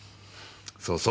そうそう。